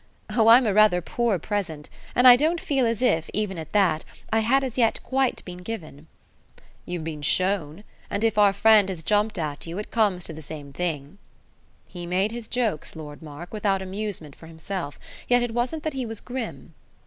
"Oh I'm rather a poor present; and I don't feel as if, even at that, I had as yet quite been given." "You've been shown, and if our friend has jumped at you it comes to the same thing." He made his jokes, Lord Mark, without amusement for himself; yet it wasn't that he was grim.